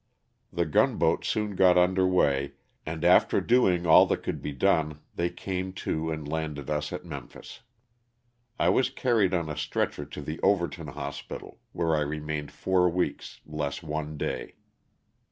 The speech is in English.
The gunboat soon got under way and after doing all that could be done they came to and landed us at Memphis. I was carried on a stretcher to the Overton Hospital where I remained four weeks, less one day.